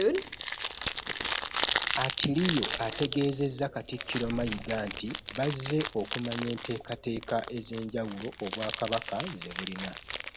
Atillio ategeezezza Katikkiro Mayiga nti bazze okumanya enteekateeka ez'enjawulo Obwakabaka ze bulina